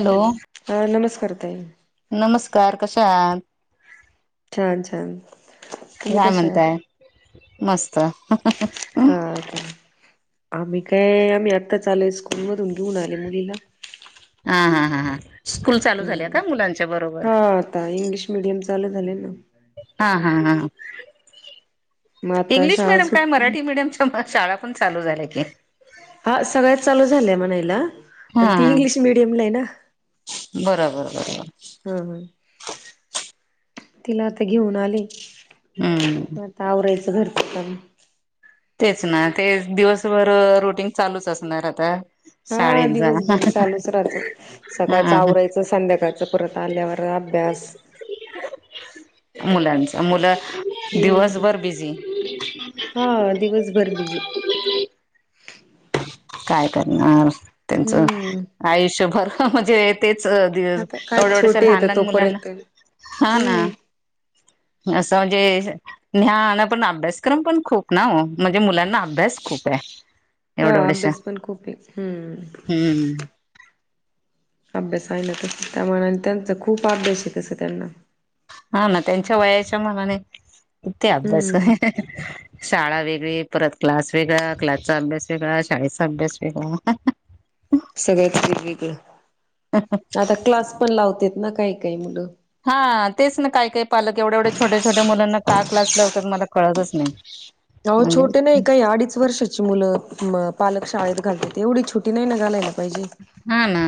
Hello ह नमस्कार ताई. नमस्कार, कशा आहात? छान छान. तुम्ही काय कशा आहात म्हणताय? मस्त. हा का आम्ही काय आम्ही आत्ताच आलोय. स्कूल मधून घेऊन आले मुलीला. ह स्कूल चालू झाले हम्म का मुलांच्या? बरोबर. हा आता इंग्लिश मिडियम चालू झाले ना. हा हा ह मग आता इंग्लिश शाळा मिडियम काय सुटतील मराठी मिडियमच्या म- शाळा पण चालू झाल्याय की- हा सगळ्या चालू झालंय म्हणायला पण हा ती इंग्लिश मिीडियमला आहे ना. बरोबर बरोबर- हा हा तिला आता घेऊन आले हम्म म आता आवरायचं घरचं काम- तेच ना तेच दिवसभर रुटीन चालूच असणार आता साठ- हा दिवसभर चालूच रहाच सकाळचं हा आवरायचं संध्याकाळचं परत आल्यावर अभ्यास- [unintelligible] मुलांच मुलं हम्म दिवसभर बिझी हा- दिवसभर बिझी- काय करणार त्यांचं हम्म आयुष्यभर ह ह मजेत- तेच एवढ्या आता काय एढ्याश छोटे लहान येत लहान मुलांना तोपर्यंत हा हम्म ना- असं म्हणजे ज्ञान पण अभ्यासक्रम पण खूप- नाव म्हणजे मुलांना अभ्यास खूप आहे. हा एवढं एवढशा अभ्यास पण खूप आहे हम्म. हम्म अभ्यास आहे ना तर त्या मानाने त्यांचा खूप अभ्यास आहे कस त्यांना. ह ना त्यांच्या वयाच्या मनाने किती अभ्यास हम्म आहे हे हे हा- शाळा वेगळी परत क्लास वेगळा क्लासचा अभ्यास वेगळा शाळेचा अभ्यास वेगळा हा हा- सगळच वेगवेगळं आता क्लास पण लावतेतन ना काही काही मुलं- हा तेच ना काय काही पालक एवढ्या एवढ्या छोट्या छोट्या मुलांना का क्लास लावतात मला कळतच नाही. अहो म्हणजे छोटे नाही काही अडीच वर्षाची मुलं पालक शाळेत- घा तेवीढ छोटी नाही मनायला आले नाय ना.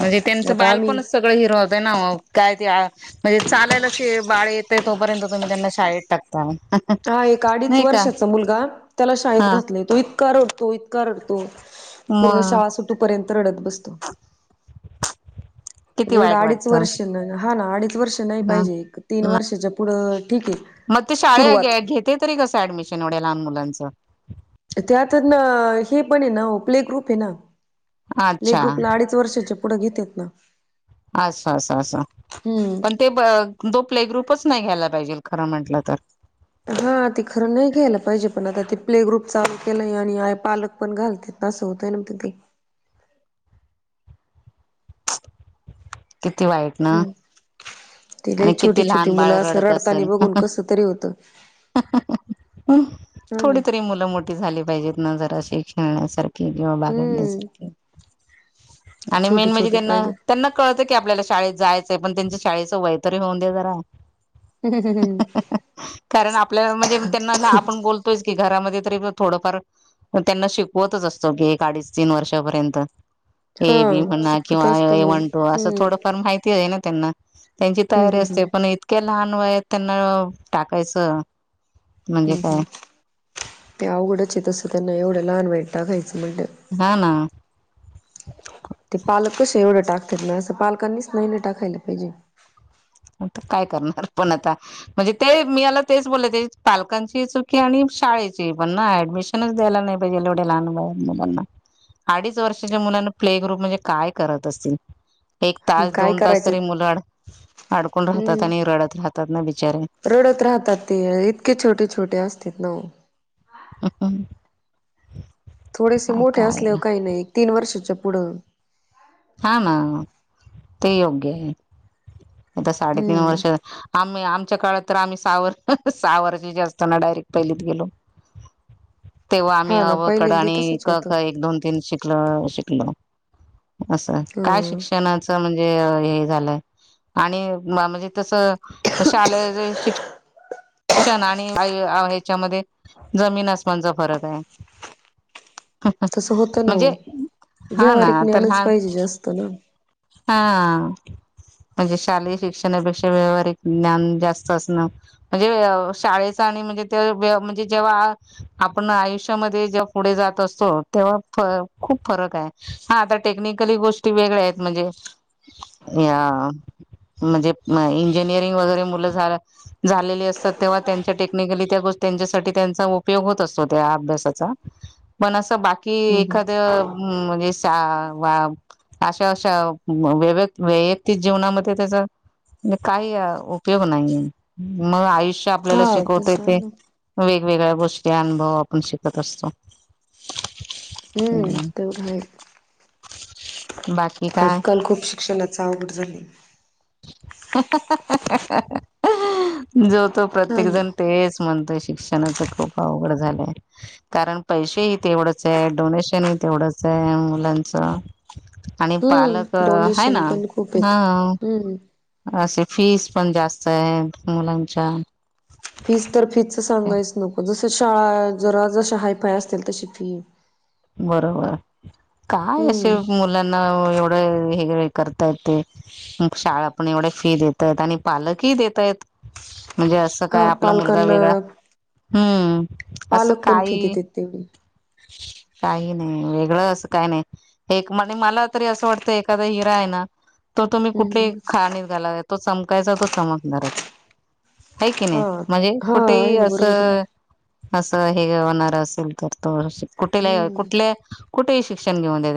म्हणजे त्यांचं आता आम्ही बालपणच सगळं हिरावत ना. काय ते म्हणजे चालायला बाळ येत- ते तोपर्यंत तुम्ही मुलाना शाळेत टाकताना. तो एक अडीच वर्षाचा मुलगा त्याला शाळेत हा घातलय तो इतका रडतोय इतका रडतोय. पूर्ण मग शाळा सुटूपर्यंत रडत बसतोय. पण किती एवढं वाईट अडीच वाटतं वर्ष हा ना अडीच वर्षना नाही ह पाहिजे तीन वर्षाच्या पुढं- ठीक आहे. मग ते शाळेला सुरुवात घे घेते तरी कसे ऍडमिशन एवढ्या लहान मुलांचं. त्यातच ना ना हे पण ना आहे य ना प्ले ग्रुप आहे ना. प्ले अच्छा ग्रुपला अडीच वर्षाचे पुढे घेतेत ना. असा असं असं स हम्म. पण ते दो प्ले ग्रुप. ग्रुपच नाही घ्यायला पाहिजे खरं म्हंटलं तर. हा ते खरं नाही घ्यायला पाहिजे. पण आता ते प्ले च ग्रुप चालू केलंय आणि पालक पण घालतील. असे होतं नंतर ते - किती इ वाईट ना हम्म. तिलाही आणि छोटी किती छोटी लहान मुलं बाळ असं रडत रडतानी असेल बघून हहमम कसं तरी होतं हमहममम हम् हा ना. थोडी तरी मुलं मोठी झाली इ पाहिजेत ना जराशी खेळण्यासारखेइ कि किंवा बागड न्या हम्म सारखी इ आणि छोटी मेन म्हणजे छोटी त्यांना पाहिजे. त्यांना कळतंय की इ आपल्याला ला शाळेत जायचंय ना पण त्यां शाळेचं वय तरी होऊन दे जरा हम् हम् कारण आपल्याला म्हणजे इ त्यांना आपण बोलतोय च की घरामध्ये री थोडंफार त्यांना शिकवतच असतो की एक अडीच तीन न वर्षापर्यंत य हा ए बी म्हणा ण शिकवत किंवा ए असतो आय ना वन टू असं हम्म थोडंफार माहिती य आहे ना त्यांना ना त्यांची हम्म तयारी हम्म हम्म. असते पण इतक्या क लहान वयात त्यांना टाकायचं म्हणजे हम् काय हम् ते अवघडचे य तसं त्यांना एवढं लहान वयात टाकायचं म्हणे नो नो ते पालक कसे श एवढं टाकतात ना असं पालकांनीच नाहीन टाकायला पाहिजे काय करणार र पण आता त म्हणजे ते मी आला तेच बोल पालकांची चुकी आणि शाळेची पण ना ऍडमिशनच द्यायला ला नाही ना पाहिजे एवढ्या लहान मुलाना अडीच वर्षाच्या मुलाना प्ले ई ग्रुप म्हणजे काय करत त असतील एक तास स काय दोन तास करायचे तरी मुलं अडकून राहतात हम्म आणि रडत राहतात ना बिचारे रडत राहतात ते इतके छोटे छोटे असतात ना हम् हम् थोडेसे मोठे असल्यावर काही नाही तीन वर्षाच्या पुढं हा ह म ते योग्य आहे आता साडेतीन हम्म वर्ष आम्ही आम आमच्या काळात तर आम्ही हम् सहा वर्षाची असताना डायरेक्ट पहिलीत गेलो तेव्हा आम्ही हा ना अवकड पहिल्यांदी आणि तसच क होतं क एक दोन तीन शिकलो शिकलो असं काय ह शिक्षणाचं च ग झालंय आणि मानल तस शालेय शिक्षण आहे अस ह्याच्यामध्ये जमीन आसमानचा फरक आहे हम् हम् तसं होतं ना हो म्हणजे हा ना व्यावहारिक आ तर ज्ञानच हा पाहिजे जास्त ना हा आ आ म्हणजे शालेय शिक्षणापेक्षा व्या व्यावहारिक ज्ञान जास्त असणं हे शाळेचा आणि म्हणजे ते म्हणजे जेव्हा आपण आयुष्यामध्ये जेव्हा पुढे जातो ते्हा खूप फरक आहे हा आता टेक्निकली गोष्टी वेगळ्या आहेत म्हणजे अरे या म्हणजे म इंजिनिअरिंग वगैरे मुलं झालं झालेली असतात तेव्हा त्यांच्या टेक्निकली त्या गोष्टी त्यांच्यासाठी त्यांचा उपयोग होत असतो तेव्हा अभ्यासाचा पण असं बाकी की हम् हम एखाद्या हम् म्हणजे सा व्या अशा अशा व वैयक्तिक जीवनामध्ये त्याचा काही उपयोग नाहीये मग आयुष आपल्याला हा शिकव ते तस आहे ना वेगवेगळ्या गोष्टी अनुभव आपण शिकत असतो हम्म तेवढय बाकी काय? आजकाल खूप शिक्षणाचा आवघड झाली जो तो हा प्रत्येक ना जण तेच म्हणत शिक्षणाच खूप अवघड झालं कारण पैसेही तेवढंच आहे डोनेशन तेवढंच आहे अम्बुलनस आणि हम्म पालक ह डोनेशन ना पण खूप आहेत ह हम्म असे फीस पण जास्त आहे मुलांच्या फीस् तर फी च सांगायच नको जस शाळा जरा जश हायफाय असतील तशी फी बरोबर काय असे हम्म मुलांना एवढं हे वगरे करताय ते म शाळा पण एवढ्या फी देतय आणि पालकही देतयत म्हणजे असं काय हा आपला मुलगा पालकांना वेगळा हम्म असं पालक पण फी काही. देतेत तेवढी काही नाही वेगळं असं काही नाही एक म्हणज मला तरी असं वाटतं एखादा हिरा आहे ना. तो तुम्ही हम्म कुठलीही खाणीत घाला तो चमकायचा तो चमकणारच. आहे की नाही हा म्हणजे हा आहे कुठेही ना बरोबर आहे ना असं अस. हे होणार असेल तर तो कुठेला हम्म कुठल्या कुठे शिक्षण घेऊन द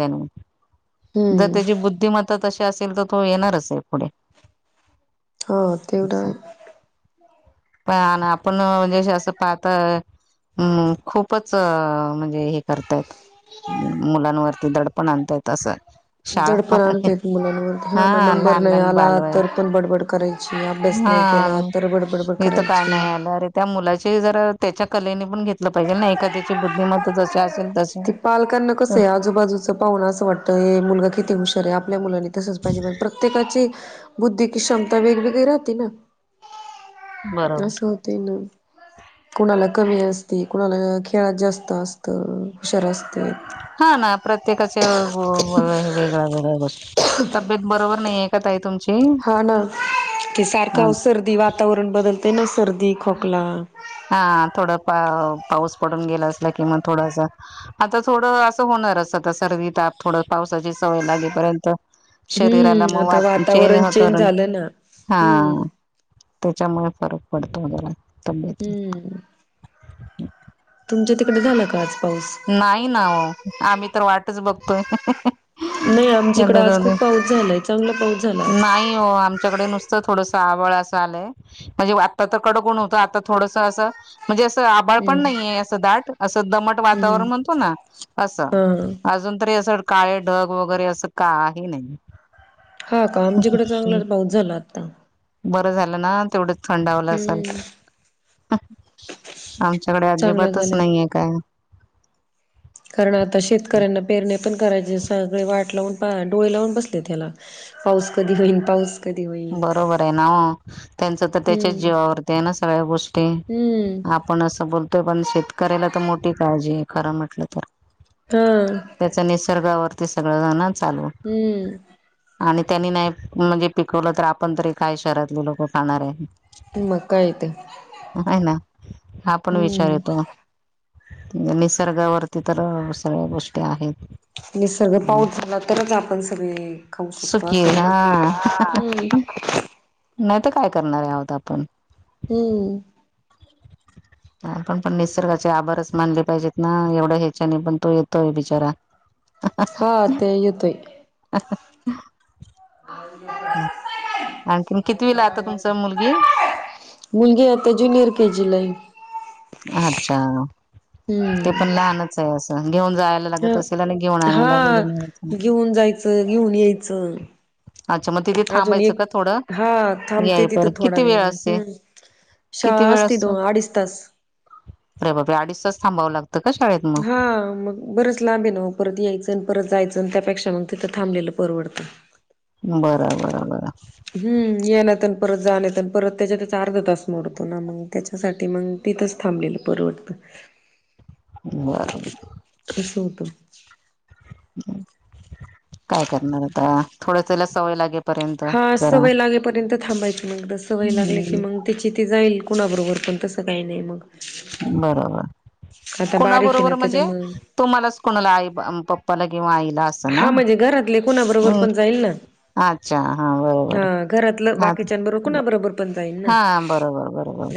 जर हम्म त्याची बुद्धमता असेल तर तो येणारच आहे पुढे हा तेवढ आहे. पण आपण म्हणजे असं पाहता. हम्म खूपच म्हणजे हे. करतायत मुलांवरती दडपण आणतायत असं. शाळा दडपण आणतायेत मुलांवर हा ना नंबर लहान नाही लहान आला बालवय तर पण बडबड करायच. हा मी तर काय करायची नाही आलं अरे त्या मुलाची जरा त्याच्या कलेनी पण घेत. पाहिजे ना एखा्याची बुद्धिमत ती पालकांना कस आहे आजूबाजूचं पाहून असं वाटतं हे मुलगा किती होऊ शकत. आपल्या मुलानी तसच पाहिजेण प्रत्येकाची बुद्धी की क्षमता वेगवेगळी राहती ना. बरोबर अससं होत ना. कुणाला कमी असते कुणाला खेळात जास्त असत शरस हा ना प्रत्येकाच्या वेगळ्या वेगळ्या गोष्टी तब्येत बरोबर. नाही एकच आहे तुमची हा ना ते सारखं सर्दी वातावरण बदलते ना. सर्दी खोकला. हा थोडं पा पाऊस पडून गेला असला किंवा थोडासा आता थोडं असं होणारच आता सर्दी ताप थोड पा सवय लागेपर्यंत शरीराला हम्म मग आता वाट चेंज वातावरण होत झालं ना हा. हम्म त्याच्यामुळे फरक पडतो वगैर तबत- हम्म. तुमच्या तिकडे झालं का आज. पाऊस? नाही ना हो आम्ही तर वाटच बघतोय. नाही आमच्या इकडं आज खूप पाऊस झालाय चांगला पाऊस झाला आज. नाही हो आमच्याकडे नुसतं थोडस म्हणजे आता तर कडकण होत आ थोडस अस. म्हणजे असं आभाळ हम्म पण नाहीये असं दाट असं दमट वा हम्म. वातावरण म्हणतो ना असं हा अजून तरी अस. काळे ढग वगैरे असं का आहे नाही. हा का आमच्याकडे चांगला पाऊस झाला आता बरं झालं ना तेवढच थंडवलं असेल. हम्म [unintelligible] आमच्याकडे चांगलं अजिबातच झालंय नाहीये काय? कारण आता शेतकऱ्यांना पेरण्या पण करायचे सगळे वाट लावून पण डोळे लावून बसले तेला पाऊस कधी होईन पाऊस कधी होईल बरोबर हेना त्यांच तर त्याच्याच हम्म जीवावरती आहे ना सगळ्या गोष्टी हम्म आपण असं बोलतोय पण शेतकऱ्याला तर मोठी काळजी हे. खरं म्हटलं तर हा त्याच्या निसर्गावरती सगळ जण हम्म. आणि त्यानी नाही म्हणजे पिकवलं तर आपण तरी काय शहरातले लोक खाणार हे. मग काय ते ह ना हा पण विचार हम्म येतो. निसर्गावरती तर सगळ्या गोष्टी आहेत. निसर्ग पाऊस झाला तरच आपण सगळे खाऊ शकतो सुखी आहे असं हा [unintelligible] [inaudible] नाही तर काय करणारे आहे आहोत आपण हो. आपण पण निसर्गाचे आभारंच मानले पाहिजेत ना एवढं ह्याच्या ने पण तो येतोय बिचारा. हा ते येतोय. हं हं. हं आणखीन कितविला आता तुमचं मुलगी? मुलगी हे आता ज्युनियर के जी लाय. अच्छा ते हम्म पण लहानच आहे असं घेऊन जायला ह लागत असेल आणि घेऊन आणायला लागेल. हां घेऊन जायचं, घेऊन यायचं. अच्छा मग तिथे अजुन थांबायचं एक का थोडं? हा थांबते याय पर तिथं थोडा किती वेळ मी असते हम्म. किती शाळा वेळ असती तो असतो? अडीच तास. अरे बापरे अडीच तास थांबावं लागतं का शा हा मग बरच लांब हे नाहो परत यायचं न परत जायचं अण त्या पेक्षा मग तिथं थांबलेलं परवडत. बर बर बर. हम्म येण्यात अन परत जाण्यात अन परत त्याच्यातच अर्धा तास मोडतो ना मग त्याच्यासाठी मंग तिथंच थांबलेलं परवडतं. बर ब [inaudible] हं काय करणार आता थोडं तिला सवय लागे हा सवय लागेपर्यंत थांबायची मग एकदा संवय लागली की हम्म मग तीची ती जाईल कुणाबरोबर पण तसं काही नाही मग. बरोबर. आता बारीक आहे ना कुणाबरोबर म्हणजे त्याच्यामुळे तुम्हालाच कुणाला आई ब पप्पाला किंवा आईला अस हा म्हणजे घरातले कोणाबरोबर पण जाईल ना. अच्छा हा हा बरोबर घरातलं हा बाकीच्यां बरो कुणाबरोबर पण जाईन ना. हा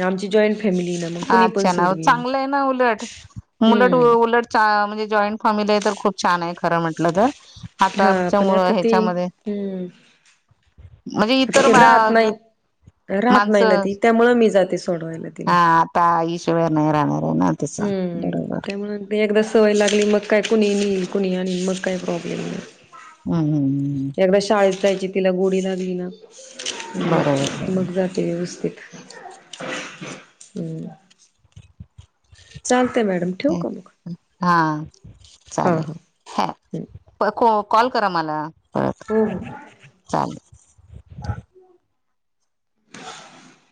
आमची जॉ आ आच्छा ना चांगलं हे ना उलट. उलट हम्म उलट छा म्हणजे जॉईंट फॅमिली हे तर खूप छान हे खरं म्हटलं तर. आता हा आमच्या पण मुळ आता ते ह्याच्यामध्ये हम्म म्हणजे आता इतर ते राहत माझ नाही राहत नाही ना माणसं ती त्यामुळं मी जाते सोडवायला तिला हा आता आईशिवाय नाही राहणार. आहे ना तिचा हम्म बरोबर त्यामुळ ते एकदा स वय लागली मग काय कुणीही नेईल कुणीही आणीन मग काय प्रॉब्लेम नाही. हम्म हम्म एकदा शाळेत जायची तिला गोडी लागली ना मग बरोबर मग जाते व्यवस्थित. हम्म. चालतय मॅडम ठेऊ बरोबर का मग? हा हा चालेल हा हा प को कॉल करा मला. परत हो हो. [inaudible] [inaudible]